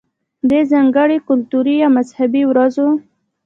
ده ځانګړې کلتوري يا مذهبي ورځو